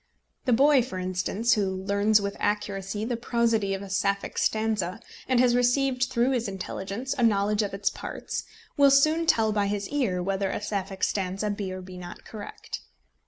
The boy, for instance, who learns with accuracy the prosody of a Sapphic stanza, and has received through his intelligence a knowledge of its parts, will soon tell by his ear whether a Sapphic stanza be or be not correct.